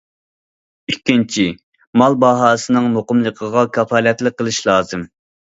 ئىككىنچى، مال باھاسىنىڭ مۇقىملىقىغا كاپالەتلىك قىلىش لازىم.